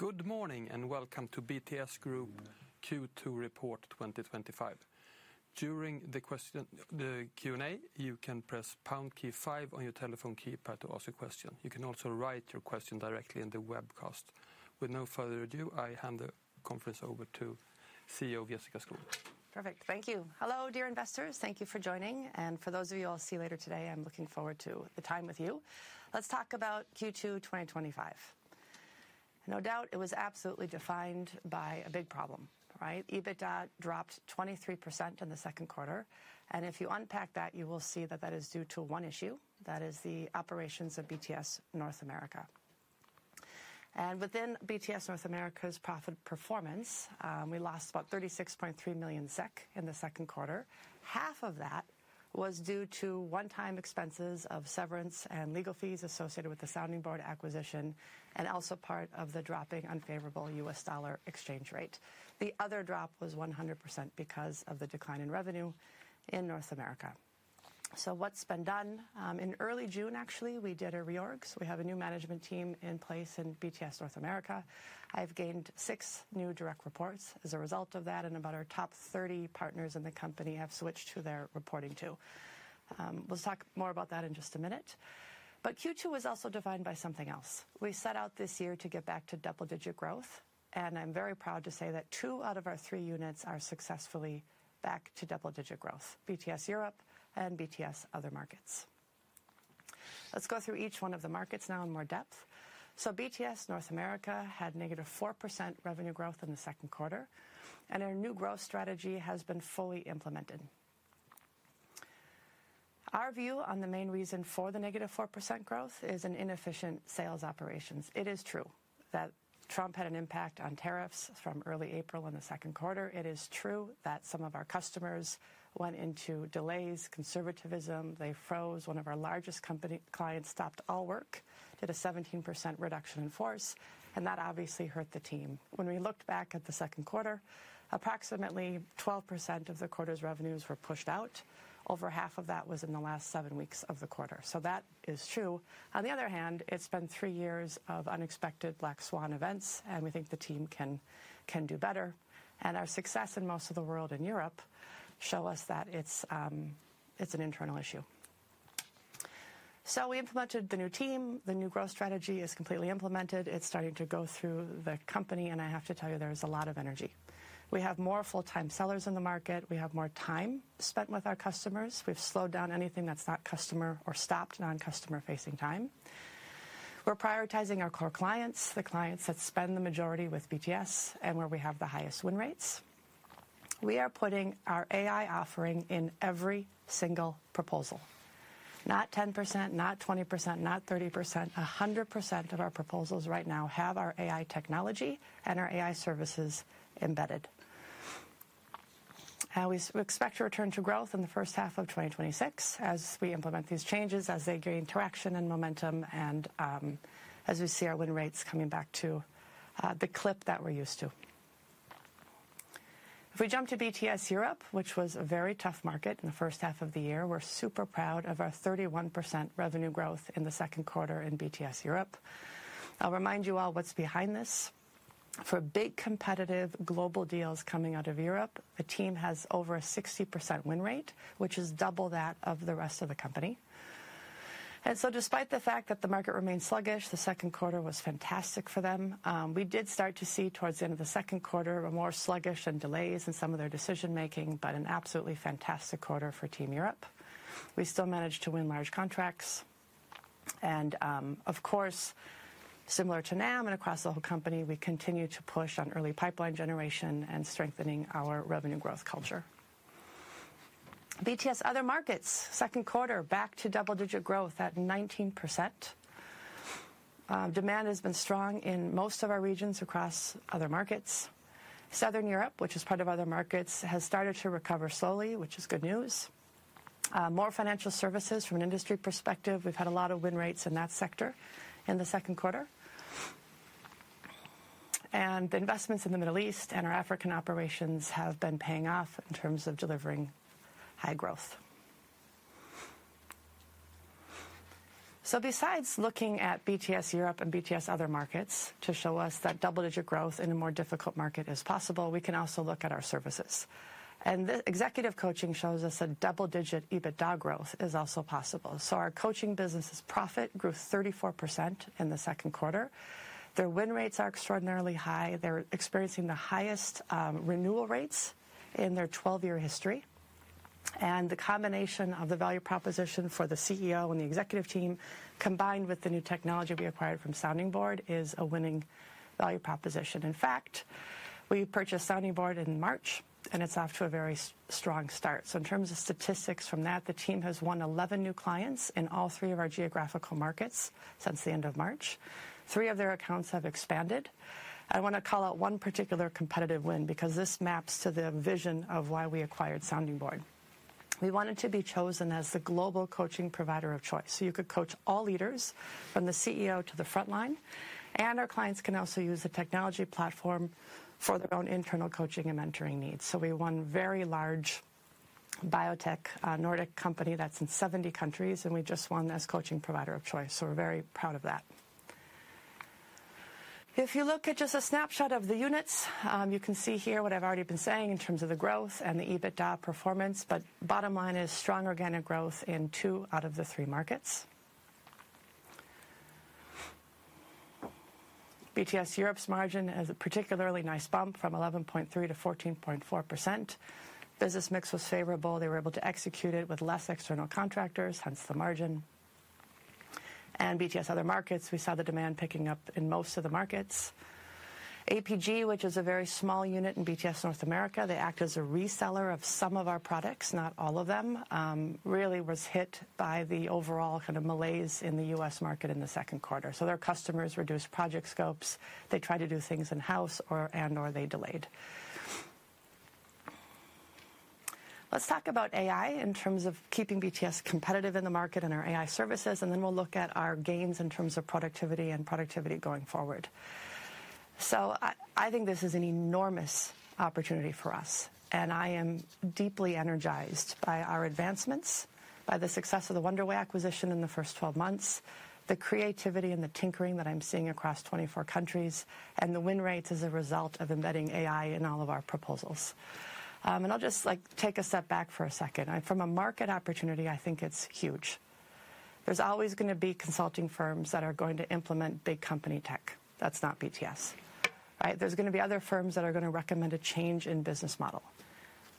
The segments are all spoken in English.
Good morning and welcome to BTS Group Q2 Report 2025. During the question Q&A, you can press the pound key five on your telephone keypad to ask a question. You can also write your question directly in the webcast. With no further ado, I hand the conference over to the CEO, Jessica Skon. Perfect, thank you. Hello, dear investors, thank you for joining. For those of you I'll see later today, I'm looking forward to the time with you. Let's talk about Q2 2025. No doubt, it was absolutely defined by a big problem, right? EBITDA dropped 23% in the second quarter. If you unpack that, you will see that is due to one issue. That is the operations of BTS North America. Within BTS North America's profit performance, we lost about 36.3 million SEK in the second quarter. Half of that was due to one-time expenses of severance and legal fees associated with the Sounding Board acquisition and also part of the drop in unfavorable U.S. dollar exchange rate. The other drop was 100% because of the decline in revenue in North America. What's been done? In early June, actually, we did a reorg. We have a new management team in place in BTS North America. I've gained six new direct reports as a result of that, and about our top 30 partners in the company have switched who they're reporting to. We'll talk more about that in just a minute. Q2 was also defined by something else. We set out this year to get back to double-digit growth. I'm very proud to say that two out of our three units are successfully back to double-digit growth: BTS Europe and BTS Other Markets. Let's go through each one of the markets now in more depth. BTS North America had -4% revenue growth in the second quarter. Our new growth strategy has been fully implemented. Our view on the main reason for the -4% growth is inefficient sales operations. It is true that Trump had an impact on tariffs from early April in the second quarter. It is true that some of our customers went into delays, conservatism. They froze. One of our largest company clients stopped all work, did a 17% reduction in force, and that obviously hurt the team. When we looked back at the second quarter, approximately 12% of the quarter's revenues were pushed out. Over half of that was in the last seven weeks of the quarter. That is true. On the other hand, it's been three years of unexpected black swan events, and we think the team can do better. Our success in most of the world and Europe shows us that it's an internal issue. We implemented the new team. The new growth strategy is completely implemented. It's starting to go through the company, and I have to tell you, there is a lot of energy. We have more full-time sellers in the market. We have more time spent with our customers. We've slowed down anything that's not customer or stopped non-customer-facing time. We're prioritizing our core clients, the clients that spend the majority with BTS and where we have the highest win rates. We are putting our AI offering in every single proposal. Not 10%, not 20%, not 30%. 100% of our proposals right now have our AI technology and our AI services embedded. We expect to return to growth in the first half of 2026 as we implement these changes, as they gain traction and momentum, and as we see our win rates coming back to the clip that we're used to. If we jump to BTS Europe, which was a very tough market in the first half of the year, we're super proud of our 31% revenue growth in the second quarter in BTS Europe. I'll remind you all what's behind this. For big competitive global deals coming out of Europe, a team has over a 60% win rate, which is double that of the rest of the company. Despite the fact that the market remained sluggish, the second quarter was fantastic for them. We did start to see, towards the end of the second quarter, more sluggish and delays in some of their decision-making, but an absolutely fantastic quarter for Team Europe. We still managed to win large contracts. Of course, similar to North America and across the whole company, we continue to push on early pipeline generation and strengthening our revenue growth culture. BTS Other Markets, second quarter, back to double-digit growth at 19%. Demand has been strong in most of our regions across Other Markets. Southern Europe, which is part of Other Markets, has started to recover slowly, which is good news. More financial services from an industry perspective, we've had a lot of win rates in that sector in the second quarter. Investments in the Middle East and our African operations have been paying off in terms of delivering high growth. Besides looking at BTS Europe and BTS Other Markets to show us that double-digit growth in a more difficult market is possible, we can also look at our services. The executive coaching shows us that double-digit EBITDA growth is also possible. Our coaching business's profit grew 34% in the second quarter. Their win rates are extraordinarily high. They're experiencing the highest renewal rates in their 12-year history. The combination of the value proposition for the CEO and the executive team, combined with the new technology we acquired from Sounding Board, is a winning value proposition. In fact, we purchased Sounding Board in March, and it's off to a very strong start. In terms of statistics from that, the team has won 11 new clients in all three of our geographical markets since the end of March. Three of their accounts have expanded. I want to call out one particular competitive win because this maps to the vision of why we acquired Sounding Board. We wanted to be chosen as the global coaching provider of choice. You could coach all leaders, from the CEO to the frontline, and our clients can also use the technology platform for their own internal coaching and mentoring needs. We won a very large biotech Nordic company that's in 70 countries, and we just won as coaching provider of choice. We're very proud of that. If you look at just a snapshot of the units, you can see here what I've already been saying in terms of the growth and the EBITDA performance. The bottom line is strong organic growth in two out of the three markets. BTS Europe's margin is a particularly nice bump from 11.3%-14.4%. Business mix was favorable. They were able to execute it with less external contractors, hence the margin. In BTS Other Markets, we saw the demand picking up in most of the markets. APG, which is a very small unit in BTS North America, acts as a reseller of some of our products, not all of them, and really was hit by the overall kind of malaise in the U.S. market in the second quarter. Their customers reduced project scopes. They tried to do things in-house and/or they delayed. Let's talk about AI in terms of keeping BTS Group competitive in the market and our AI adoption services, and then we'll look at our gains in terms of productivity and productivity going forward. I think this is an enormous opportunity for us. I am deeply energized by our advancements, by the success of the Wonderway acquisition in the first 12 months, the creativity and the tinkering that I'm seeing across 24 countries, and the win rates as a result of embedding AI in all of our proposals. I'll just take a step back for a second. From a market opportunity, I think it's huge. There are always going to be consulting firms that are going to implement big company tech. That's not BTS Group, right? There are going to be other firms that are going to recommend a change in business model.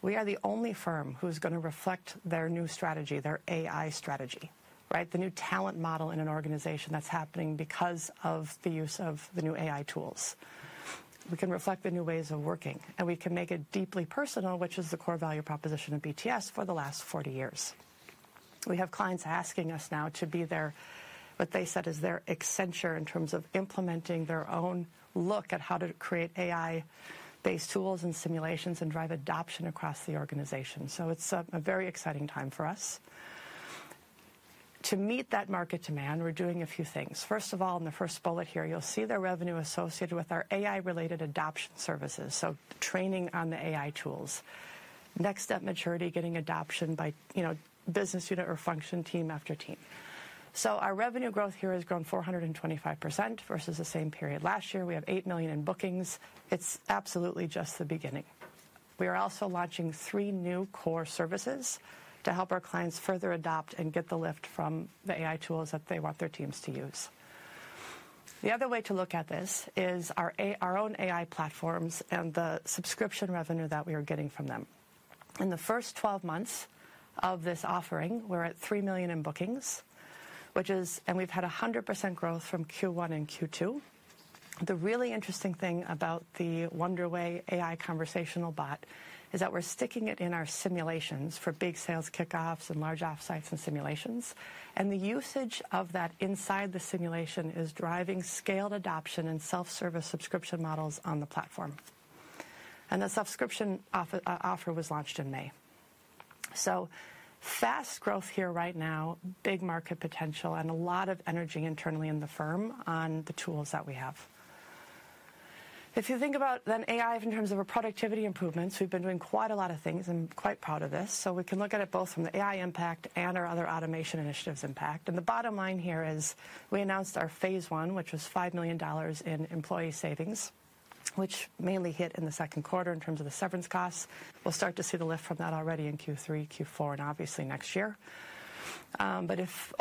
We are the only firm who's going to reflect their new strategy, their AI strategy, right? The new talent model in an organization that's happening because of the use of the new AI tools. We can reflect the new ways of working, and we can make it deeply personal, which is the core value proposition of BTS Group for the last 40 years. We have clients asking us now to be their, what they said is their, Accenture in terms of implementing their own look at how to create AI-based tools and simulations and drive adoption across the organization. It is a very exciting time for us. To meet that market demand, we're doing a few things. First of all, in the first bullet here, you'll see the revenue associated with our AI adoption services. Training on the AI tools. Next step, maturity, getting adoption by business unit or function team after team. Our revenue growth here has grown 425% versus the same period last year. We have $8 million in bookings. It is absolutely just the beginning. We are also launching three new core services to help our clients further adopt and get the lift from the AI tools that they want their teams to use. The other way to look at this is our own AI platforms and the subscription revenue that we are getting from them. In the first 12 months of this offering, we're at $3 million in bookings, and we've had 100% growth from Q1 and Q2. The really interesting thing about the Wonderway AI conversational bot is that we're sticking it in our simulations for big sales kickoffs and large offsites and simulations. The usage of that inside the simulation is driving scaled adoption and self-service subscription models on the platform. The subscription offer was launched in May. Fast growth here right now, big market potential, and a lot of energy internally in the firm on the tools that we have. If you think about AI in terms of our productivity improvements, we've been doing quite a lot of things and quite proud of this. We can look at it both from the AI impact and our other automation initiatives impact. The bottom line here is we announced our phase one, which was $5 million in employee savings, which mainly hit in the second quarter in terms of the severance costs. We'll start to see the lift from that already in Q3, Q4, and obviously next year.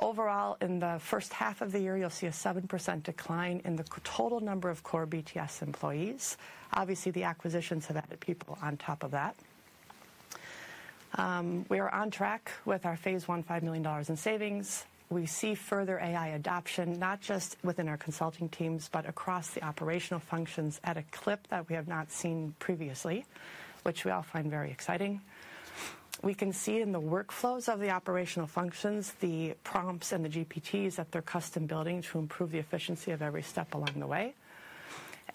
Overall, in the first half of the year, you'll see a 7% decline in the total number of core BTS employees. Obviously, the acquisitions have added people on top of that. We are on track with our phase one, $5 million in savings. We see further AI adoption, not just within our consulting teams, but across the operational functions at a clip that we have not seen previously, which we all find very exciting. We can see in the workflows of the operational functions, the prompts and the GPTs that they're custom building to improve the efficiency of every step along the way.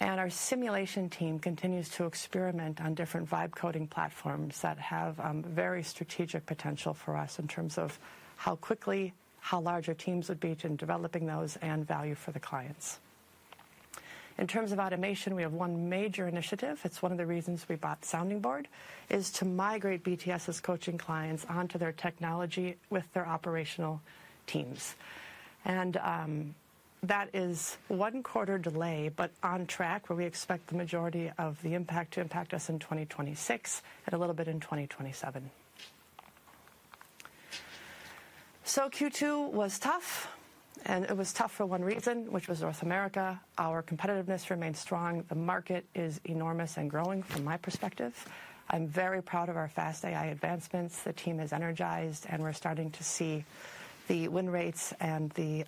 Our simulation team continues to experiment on different vibe coding platforms that have very strategic potential for us in terms of how quickly, how large our teams would be in developing those and value for the clients. In terms of automation, we have one major initiative. One of the reasons we bought Sounding Board is to migrate BTS's coaching clients onto their technology with their operational teams. That is one quarter delay, but on track where we expect the majority of the impact to impact us in 2026 and a little bit in 2027. Q2 was tough, and it was tough for one reason, which was North America. Our competitiveness remains strong. The market is enormous and growing from my perspective. I'm very proud of our fast AI advancements. The team is energized, and we're starting to see the win rates and the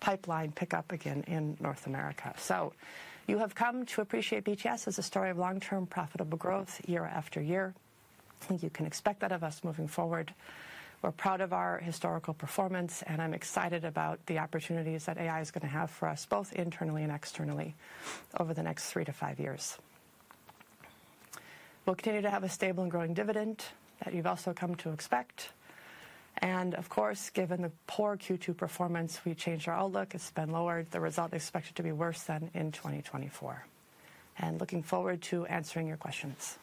pipeline pick up again in North America. You have come to appreciate BTS as a story of long-term profitable growth year after year. I think you can expect that of us moving forward. We're proud of our historical performance, and I'm excited about the opportunities that AI is going to have for us both internally and externally over the next three to five years. We'll continue to have a stable and growing dividend that you've also come to expect. Of course, given the poor Q2 performance, we changed our outlook. It's been lowered. The result is expected to be worse than in 2024. Looking forward to answering your questions.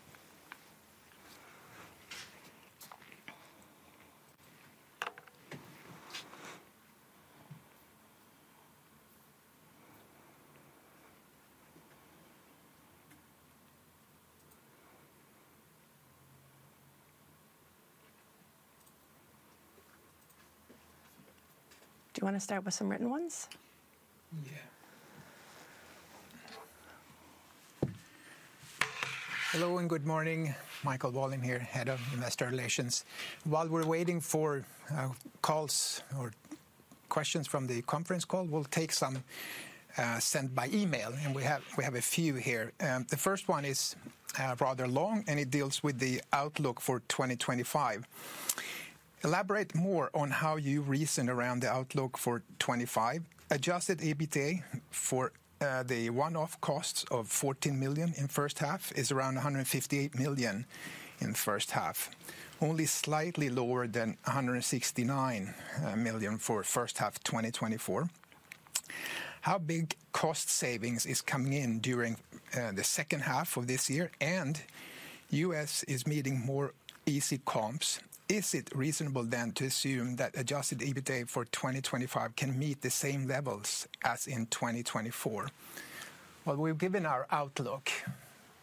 Do you want to start with some written ones? Yeah. Hello and good morning. Michael Wallin here, Head of Investor Relations. While we're waiting for calls or questions from the conference call, we'll take some sent by email, and we have a few here. The first one is rather long, and it deals with the outlook for 2025. Elaborate more on how you reason around the outlook for 2025. Adjusted EBITDA for the one-off costs of $14 million in the first half is around $158 million in the first half, only slightly lower than $169 million for the first half of 2024. How big cost savings are coming in during the second half of this year, and the U.S. is meeting more easy comps. Is it reasonable then to assume that adjusted EBITDA for 2025 can meet the same levels as in 2024? We've given our outlook,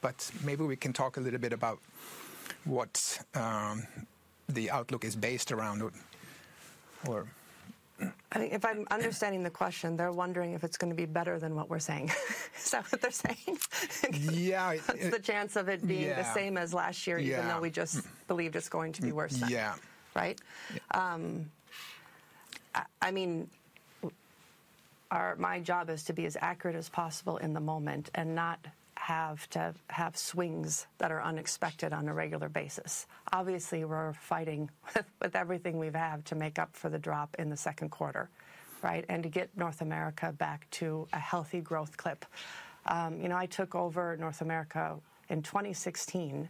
but maybe we can talk a little bit about what the outlook is based around. I think if I'm understanding the question, they're wondering if it's going to be better than what we're saying. Is that what they're saying? Yeah. What's the chance of it being the same as last year, even though we just believe it's going to be worse? Yeah. My job is to be as accurate as possible in the moment and not have to have swings that are unexpected on a regular basis. Obviously, we're fighting with everything we have to make up for the drop in the second quarter, right? To get North America back to a healthy growth clip. I took over North America in 2016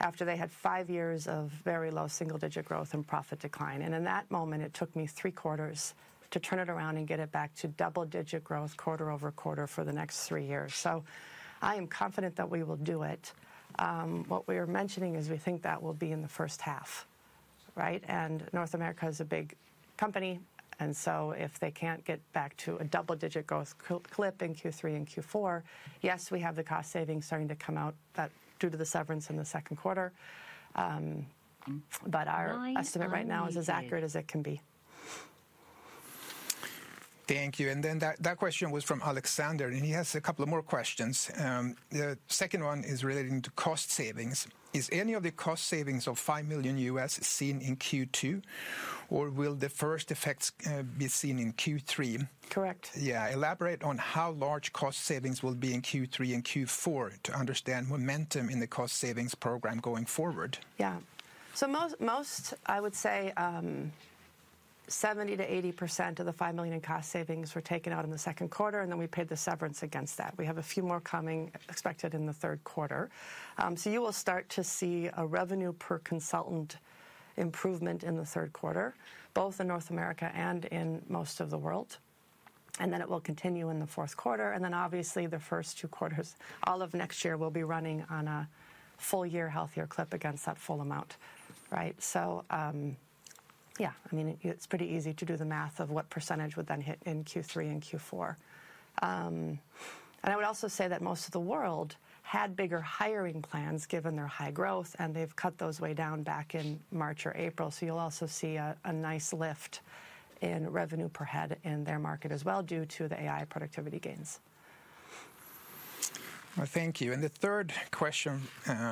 after they had five years of very low single-digit growth and profit decline. In that moment, it took me three quarters to turn it around and get it back to double-digit growth quarter over quarter for the next three years. I am confident that we will do it. What we are mentioning is we think that will be in the first half, right? North America is a big company. If they can't get back to a double-digit growth clip in Q3 and Q4, yes, we have the cost savings starting to come out due to the severance in the second quarter. Our estimate right now is as accurate as it can be. Thank you. That question was from Alexander, and he has a couple more questions. The second one is relating to cost savings. Is any of the cost savings of $5 million seen in Q2, or will the first effects be seen in Q3? Correct. Yeah, elaborate on how large cost savings will be in Q3 and Q4 to understand momentum in the cost savings program going forward. Yeah. Most, I would say, 70%-80% of the $5 million in cost savings were taken out in the second quarter, and then we paid the severance against that. We have a few more coming expected in the third quarter. You will start to see a revenue per consultant improvement in the third quarter, both in North America and in most of the world. It will continue in the fourth quarter. Obviously, the first two quarters of all of next year will be running on a full-year healthier clip against that full amount, right? It's pretty easy to do the math of what percentage would then hit in Q3 and Q4. I would also say that most of the world had bigger hiring plans given their high growth, and they've cut those way down back in March or April. You'll also see a nice lift in revenue per head in their market as well due to the AI productivity gains. Thank you. The third question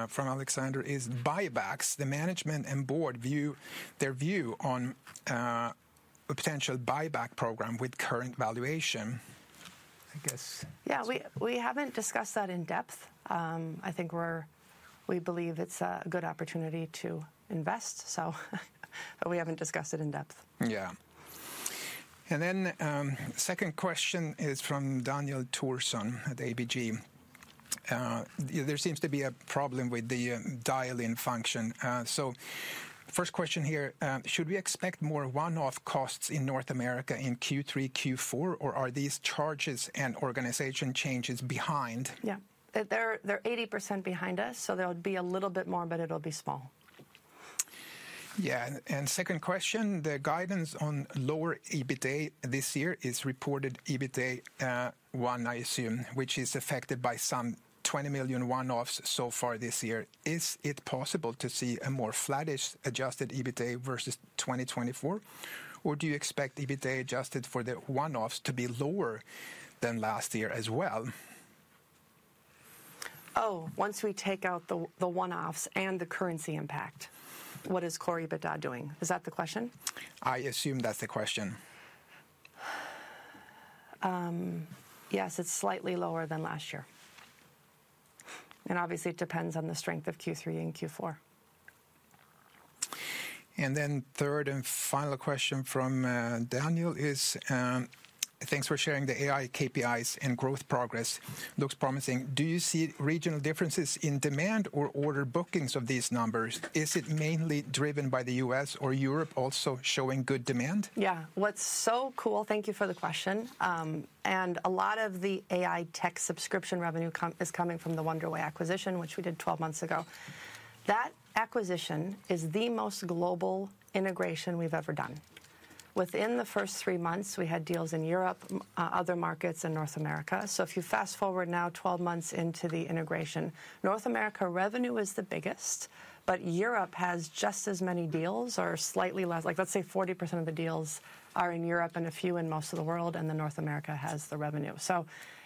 from Alexander is buybacks. The management and Board view their view on a potential buyback program with current valuation, I guess. We haven't discussed that in depth. I think we believe it's a good opportunity to invest, so we haven't discussed it in depth. Yeah. The second question is from Daniel Thorsen at ABG. There seems to be a problem with the dial-in function. The first question here, should we expect more one-off costs in North America in Q3, Q4, or are these charges and organization changes behind? Yeah, they're 80% behind us, so there'll be a little bit more, but it'll be small. Yeah, second question, the guidance on lower EBITDA this year is reported EBITDA, I assume, which is affected by some $20 million one-offs so far this year. Is it possible to see a more flattish adjusted EBITDA versus 2024, or do you expect EBITDA adjusted for the one-offs to be lower than last year as well? Once we take out the one-offs and the currency impact, what is core EBITDA doing? Is that the question? I assume that's the question. Yes, it's slightly lower than last year. It obviously depends on the strength of Q3 and Q4. Third and final question from Daniel is, thanks for sharing the AI KPIs and growth progress. Looks promising. Do you see regional differences in demand or order bookings of these numbers? Is it mainly driven by the U.S. or is Europe also showing good demand? Yeah, what's so cool, thank you for the question, and a lot of the AI tech subscription revenue is coming from the Wonderway acquisition, which we did 12 months ago. That acquisition is the most global integration we've ever done. Within the first three months, we had deals in Europe, other markets, and North America. If you fast forward now 12 months into the integration, North America revenue is the biggest, but Europe has just as many deals or slightly less, like let's say 40% of the deals are in Europe and a few in most of the world, and then North America has the revenue.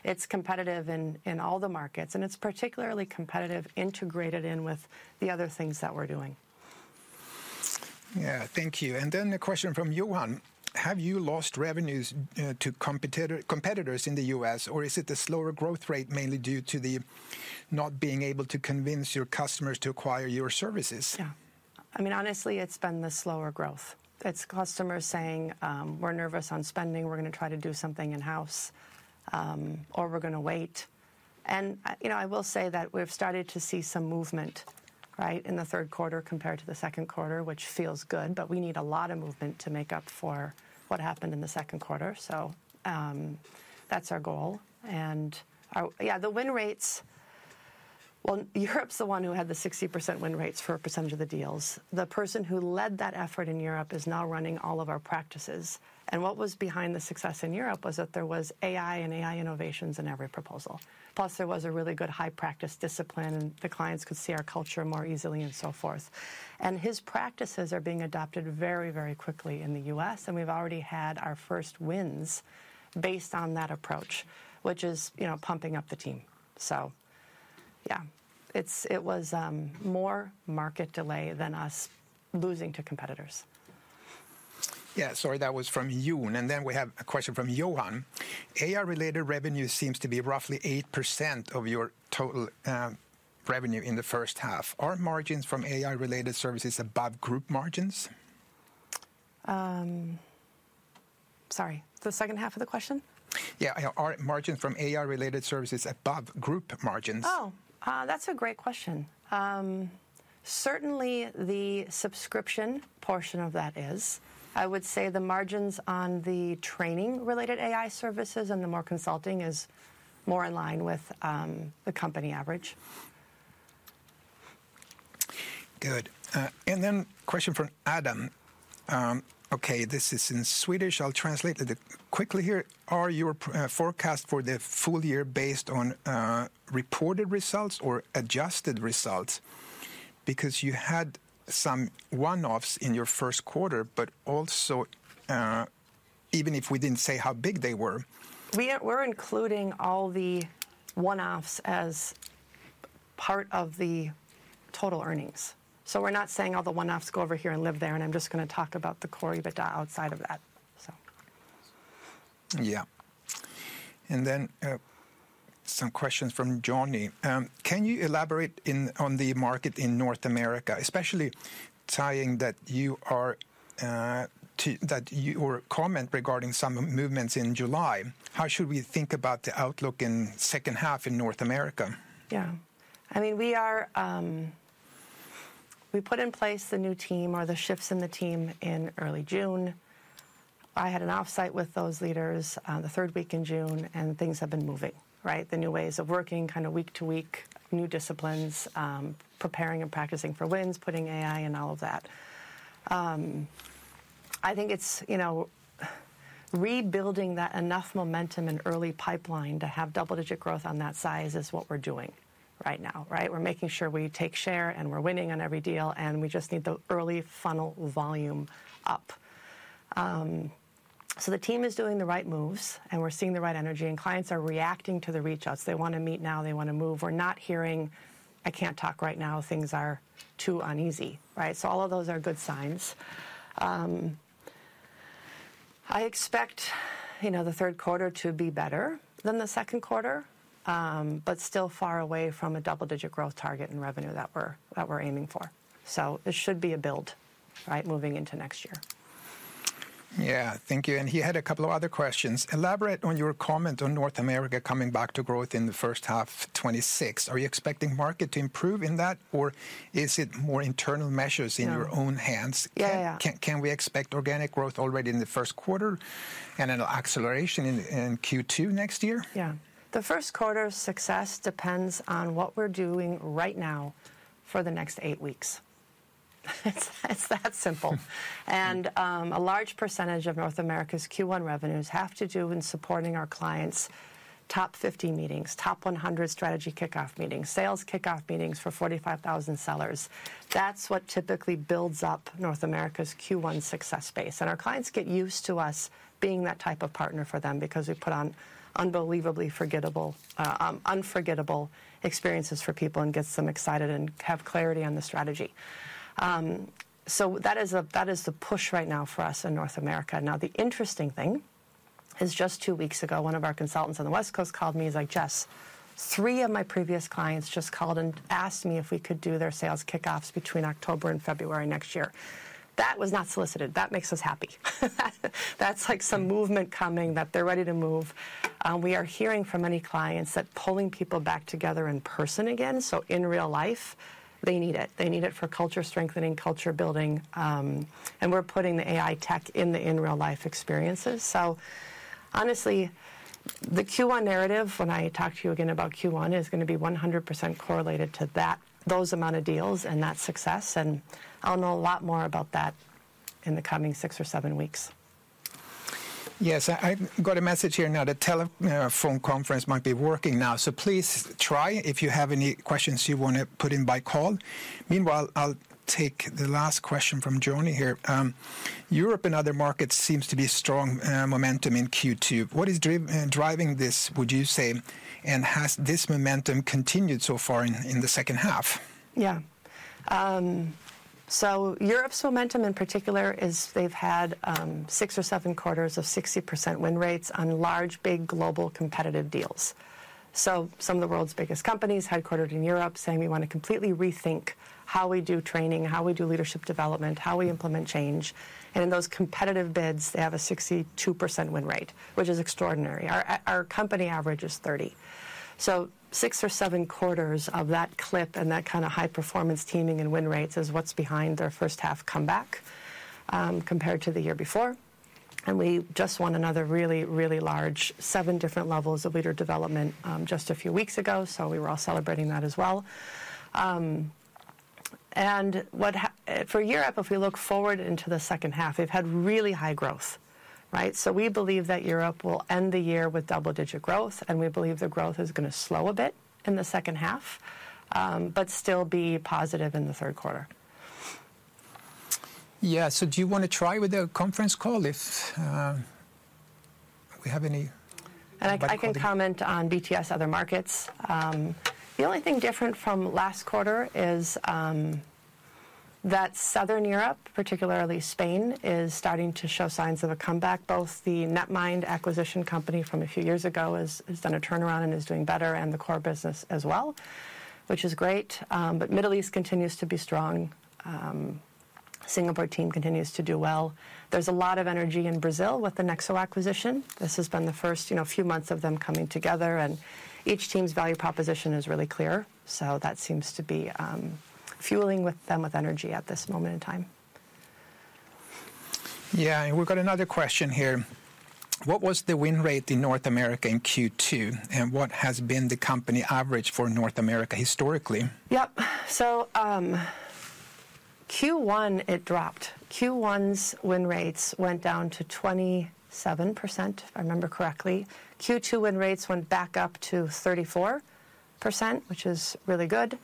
It's competitive in all the markets, and it's particularly competitive integrated in with the other things that we're doing. Thank you. A question from Johan: Have you lost revenues to competitors in the U.S., or is the slower growth rate mainly due to not being able to convince your customers to acquire your services? Yeah, I mean, honestly, it's been the slower growth. It's customers saying, we're nervous on spending, we're going to try to do something in-house, or we're going to wait. I will say that we've started to see some movement, right, in the third quarter compared to the second quarter, which feels good, but we need a lot of movement to make up for what happened in the second quarter. That's our goal. Yeah, the win rates, Europe's the one who had the 60% win rates for a percentage of the deals. The person who led that effort in Europe is now running all of our practices. What was behind the success in Europe was that there was AI and AI innovations in every proposal. Plus, there was a really good high practice discipline, and the clients could see our culture more easily and so forth. His practices are being adopted very, very quickly in the U.S., and we've already had our first wins based on that approach, which is, you know, pumping up the team. Yeah, it was more market delay than us losing to competitors. Sorry, that was from Yoon. We have a question from Johan. AI-related revenue seems to be roughly 8% of your total revenue in the first half. Are margins from AI-related services above group margins? Sorry, the second half of the question? Yeah, are margins from AI-related services above group margins? Oh, that's a great question. Certainly, the subscription portion of that is. I would say the margins on the training-related AI services and the more consulting is more in line with the company average. Good. A question from Adam. This is in Swedish. I'll translate it quickly here. Are your forecasts for the full year based on reported results or adjusted results? You had some one-offs in your first quarter, even if we didn't say how big they were. We're including all the one-offs as part of the total earnings. We're not saying all the one-offs go over here and live there, and I'm just going to talk about the core EBITDA outside of that. Yeah. Some questions from Jonny. Can you elaborate on the market in North America, especially tying that you comment regarding some movements in July? How should we think about the outlook in the second half in North America? Yeah, I mean, we put in place the new team or the shifts in the team in early June. I had an offsite with those leaders the third week in June, and things have been moving, right? The new ways of working, kind of week to week, new disciplines, preparing and practicing for wins, putting AI in all of that. I think it's, you know, rebuilding that enough momentum in early pipeline to have double-digit growth on that size is what we're doing right now, right? We're making sure we take share, and we're winning on every deal, and we just need the early funnel volume up. The team is doing the right moves, and we're seeing the right energy, and clients are reacting to the reach-outs. They want to meet now. They want to move. We're not hearing, "I can't talk right now. Things are too uneasy," right? All of those are good signs. I expect, you know, the third quarter to be better than the second quarter, but still far away from a double-digit growth target in revenue that we're aiming for. It should be a build, right, moving into next year. Thank you. He had a couple of other questions. Elaborate on your comment on North America coming back to growth in the first half of 2026. Are you expecting the market to improve in that, or is it more internal measures in your own hands? Yeah, yeah, yeah. Can we expect organic growth already in the first quarter and an acceleration in Q2 next year? Yeah, the first quarter's success depends on what we're doing right now for the next eight weeks. It's that simple. A large percentage of North America's Q1 revenues have to do with supporting our clients' top 50 meetings, top 100 strategy kickoff meetings, sales kickoff meetings for 45,000 sellers. That's what typically builds up North America's Q1 success base. Our clients get used to us being that type of partner for them because we put on unbelievably unforgettable experiences for people and get them excited and have clarity on the strategy. That is the push right now for us in North America. The interesting thing is just two weeks ago, one of our consultants on the West Coast called me. He's like, "Jess, three of my previous clients just called and asked me if we could do their sales kickoffs between October and February next year." That was not solicited. That makes us happy. That's like some movement coming that they're ready to move. We are hearing from many clients that pulling people back together in person again, so in real life, they need it. They need it for culture strengthening, culture building. We're putting the AI tech in the in-real-life experiences. Honestly, the Q1 narrative, when I talk to you again about Q1, is going to be 100% correlated to those amount of deals and that success. I'll know a lot more about that in the coming six or seven weeks. Yes, I got a message here now that a telephone conference might be working now. Please try if you have any questions you want to put in by call. Meanwhile, I'll take the last question from Jonny here. Europe and other markets seem to be strong momentum in Q2. What is driving this, would you say, and has this momentum continued so far in the second half? Europe's momentum in particular is they've had six or seven quarters of 60% win rates on large, big global competitive deals. Some of the world's biggest companies headquartered in Europe are saying we want to completely rethink how we do training, how we do leadership development, how we implement change. In those competitive bids, they have a 62% win rate, which is extraordinary. Our company average is 30%. Six or seven quarters of that clip and that kind of high-performance teaming and win rates is what's behind their first half comeback compared to the year before. We just won another really, really large seven different levels of leader development just a few weeks ago. We were all celebrating that as well. For Europe, if we look forward into the second half, they've had really high growth, right? We believe that Europe will end the year with double-digit growth, and we believe the growth is going to slow a bit in the second half, but still be positive in the third quarter. Do you want to try with a conference call if we have any? I can comment on BTS Other Markets. The only thing different from last quarter is that Southern Europe, particularly Spain, is starting to show signs of a comeback. Both the Netmind acquisition company from a few years ago has done a turnaround and is doing better, and the core business as well, which is great. The Middle East continues to be strong. The Singapore team continues to do well. There's a lot of energy in Brazil with the Nexo acquisition. This has been the first few months of them coming together, and each team's value proposition is really clear. That seems to be fueling them with energy at this moment in time. Yeah, we've got another question here. What was the win rate in North America in Q2, and what has been the company average for North America historically? Yep, so Q1, it dropped. Q1's win rates went down to 27%, if I remember correctly. Q2 win rates went back up to 34%, which is really good.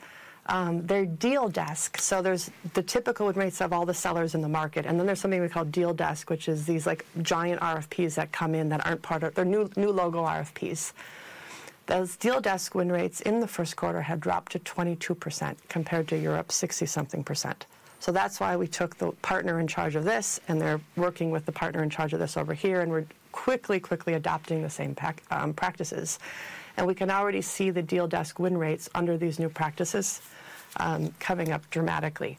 They're deal desk, so there's the typical win rates of all the sellers in the market, and then there's something we call deal desk, which is these like giant RFPs that come in that aren't part of their new logo RFPs. Those deal desk win rates in the first quarter had dropped to 22% compared to Europe's 60-something percent. That's why we took the partner in charge of this, and they're working with the partner in charge of this over here, and we're quickly, quickly adopting the same practices. We can already see the deal desk win rates under these new practices coming up dramatically.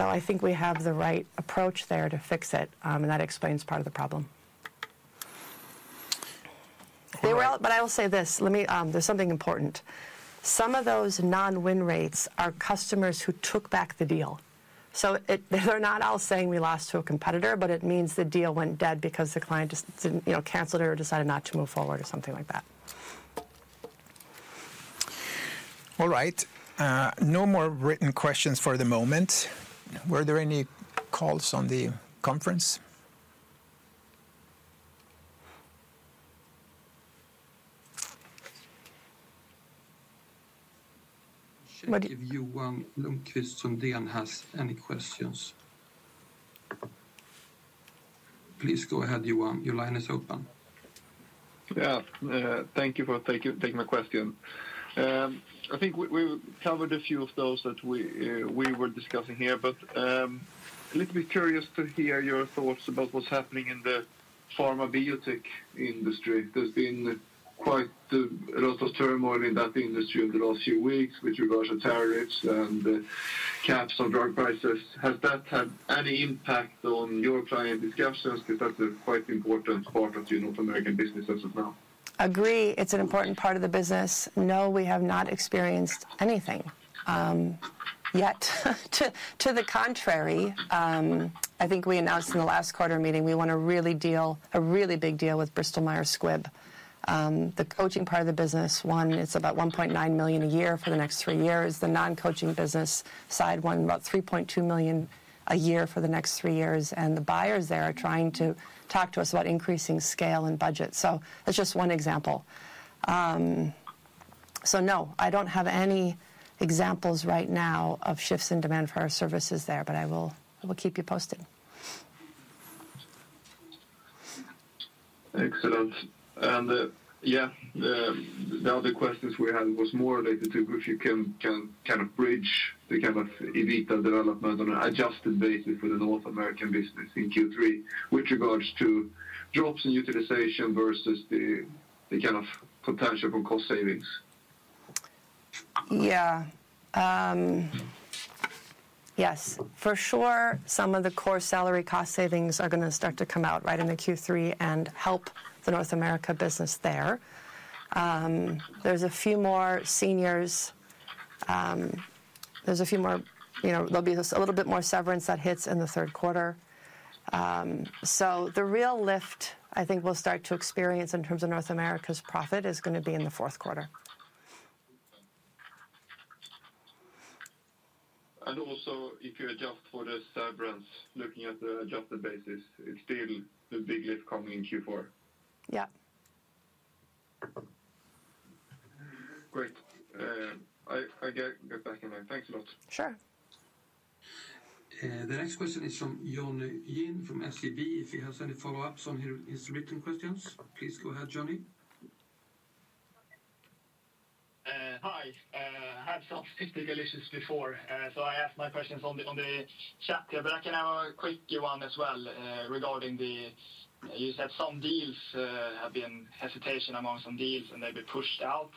I think we have the right approach there to fix it, and that explains part of the problem. I will say this, there's something important. Some of those non-win rates are customers who took back the deal. They're not all saying we lost to a competitor, but it means the deal went dead because the client just canceled it or decided not to move forward or something like that. All right, no more written questions for the moment. Were there any calls on the conference? Should I give you one? Look to see if Dan has any questions. Please go ahead, Johan. Your line is open. Thank you for taking my question. I think we covered a few of those that we were discussing here, but I'm a little bit curious to hear your thoughts about what's happening in the pharmaceutical industry. There's been quite a lot of turmoil in that industry in the last few weeks with regards to tariffs and caps on drug prices. Has that had any impact on your client discussions? That's a quite important part of the North American business as of now. Agree, it's an important part of the business. No, we have not experienced anything yet. To the contrary, I think we announced in the last quarter meeting we won a really big deal with Bristol-Myers Squibb. The coaching part of the business, one, it's about $1.9 million a year for the next three years. The non-coaching business side, one, about $3.2 million a year for the next three years. The buyers there are trying to talk to us about increasing scale and budget. That's just one example. No, I don't have any examples right now of shifts in demand for our services there, but I will keep you posted. Excellent. The other questions we had were more related to if you can kind of bridge the kind of EBITDA development on an adjusted basis for the North American business in Q3 with regards to drops in utilization versus the kind of potential for cost savings. Yes, for sure, some of the core salary cost savings are going to start to come out right in Q3 and help the North America business there. There's a few more seniors, there's a few more, you know, there'll be a little bit more severance that hits in the third quarter. The real lift I think we'll start to experience in terms of North America's profit is going to be in the fourth quarter. If you adjust for the severance, looking at the adjusted basis, it's still a big lift coming in Q4. Yeah. Great, I get back in there. Thanks a lot. Sure. The next question is from Jonny Jin from SEB. If he has any follow-ups on his written questions, please go ahead, John. Hi, I have some physical issues before, so I asked my questions on the chapter, but I can have a quick one as well regarding the, you said some deals have been hesitation among some deals and they've been pushed out.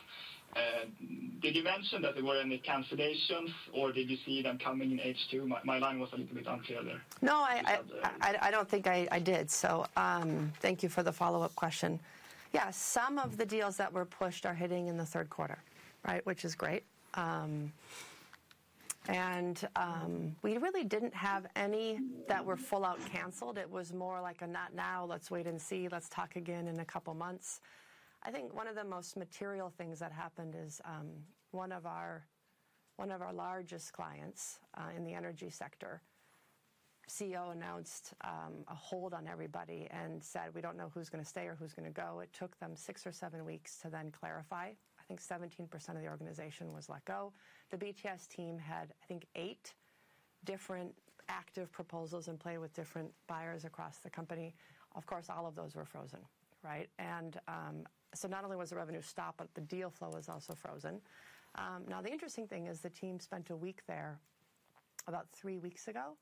Did you mention that there were any cancellations or did you see them coming in H2? My line was a little bit unclear there. No, I don't think I did. Thank you for the follow-up question. Yeah, some of the deals that were pushed are hitting in the third quarter, which is great. We really didn't have any that were full-out canceled. It was more like a not now, let's wait and see, let's talk again in a couple of months. I think one of the most material things that happened is one of our largest clients in the energy sector, the CEO, announced a hold on everybody and said, we don't know who's going to stay or who's going to go. It took them six or seven weeks to then clarify. I think 17% of the organization was let go. The BTS team had, I think, eight different active proposals and played with different buyers across the company. Of course, all of those were frozen, right? Not only was the revenue stopped, but the deal flow was also frozen. The interesting thing is the team spent a week there about three weeks ago,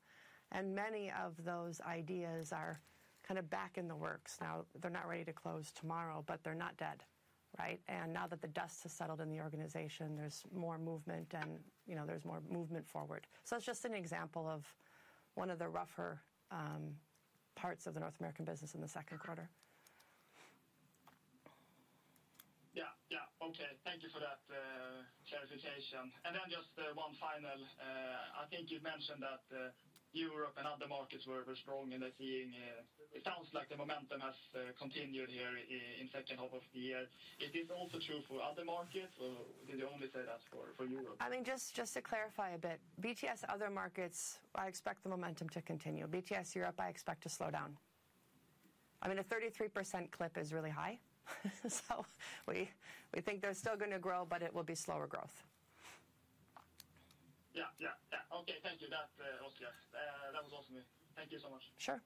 and many of those ideas are kind of back in the works. They're not ready to close tomorrow, but they're not dead, right? Now that the dust has settled in the organization, there's more movement and, you know, there's more movement forward. It's just an example of one of the rougher parts of the North American business in the second quarter. Thank you for that clarification. Just the one final, I think you mentioned that Europe and other markets were strong in the team. It sounds like the momentum has continued here in the second half of the year. Is this also true for other markets, or did you only say that for Europe? Just to clarify a bit, BTS Other Markets, I expect the momentum to continue. BTS Europe, I expect to slow down. A 33% clip is really high. We think they're still going to grow, but it will be slower growth. Thank you. That was awesome. Thank you so much. Sure.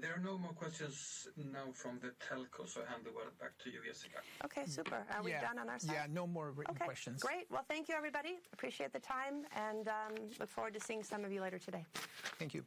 There are no more questions now from the telco, so I hand the word back to you, Jessica. Okay, super. Are we done on our side? Yeah, no more written questions. Great. Thank you, everybody. Appreciate the time and look forward to seeing some of you later today. Thank you.